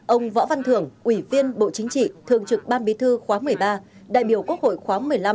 ông võ văn thưởng ủy viên bộ chính trị thường trực ban bí thư khóa một mươi ba đại biểu quốc hội khóa một mươi năm